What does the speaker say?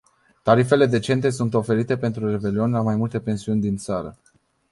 Tarife decente sunt oferite pentru revelion la mai multe pensiuni din țară.